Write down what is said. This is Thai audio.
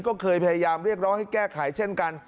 ก็เคยพยายามเรียกร้องให้แก้ไขเช่นกัน